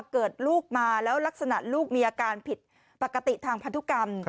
เกิดลูกมาแล้วลักษณะลูกมีอาการผิดปกติทางพันธุกรรม